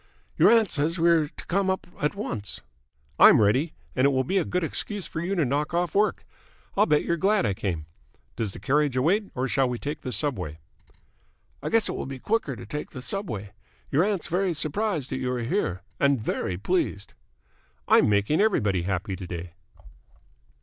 "Your aunt says we are to come up at once." "I'm ready. And it will be a good excuse for you to knock off work. I bet you're glad I came! Does the carriage await or shall we take the subway?" "I guess it will be quicker to take the subway. Your aunt's very surprised that you are here, and very pleased." "I'm making everybody happy to day."